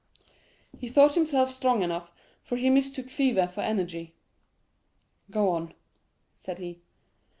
He thought himself strong enough, for he mistook fever for energy. "Go on," said he.